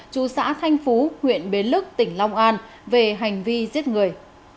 chú xã khanh phú huyện bến lức tỉnh long an về hành vi giết người